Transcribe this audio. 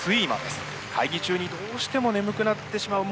会議中にどうしても眠くなってしまう。